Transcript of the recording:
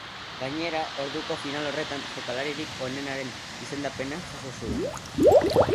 Gainera, orduko final horretan jokalaririk onenaren izendapena jaso zuen.